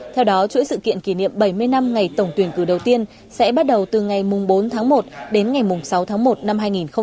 theo đó chuỗi sự kiện kỷ niệm bảy mươi năm ngày tổng tuyển cử đầu tiên sẽ bắt đầu từ ngày bốn tháng một đến ngày sáu tháng một năm hai nghìn hai mươi